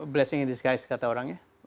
blessing in disguise kata orangnya